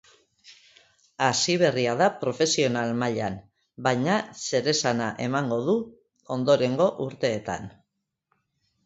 Hasiberria da profesional mailan, baina zeresana emango du ondorengo urteetan.